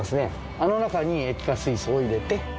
あの中に液化水素を入れて。